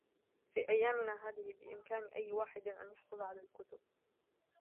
في أيامنا هذه ، بإمكان أي واحد أن يحصل على الكتب.